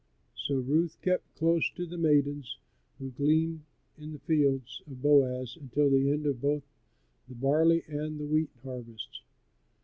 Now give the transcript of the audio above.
So Ruth kept close to the maidens who gleaned in the fields of Boaz until the end of both the barley and the wheat harvests.